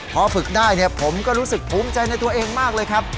พอฝึกได้เนี่ยผมก็รู้สึกภูมิใจในตัวเองมากเลยครับ